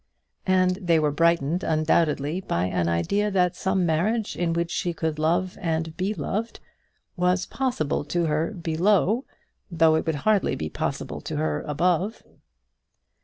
And they were brightened undoubtedly by an idea that some marriage in which she could love and be loved was possible to her below, though it would hardly be possible to her above.